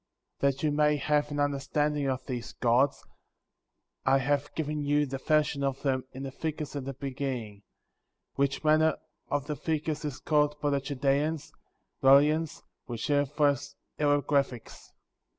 *^ 14. That you may have an understanding of these gods, I have given you the fashion of them in the figures at the beginning, which manner of the figures is called by the Chaldeans, Rahleenos, which signifies hieroglyphics.